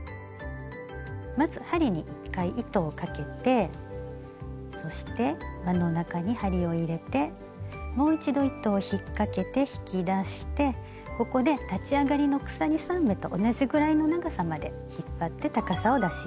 まず針に１回糸をかけてそして輪の中に針を入れてもう一度糸を引っ掛けて引き出してここで立ち上がりの鎖３目と同じぐらいの長さまで引っ張って高さを出します。